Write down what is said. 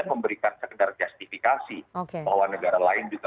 seperti yang tadi disampaikan oleh mas toto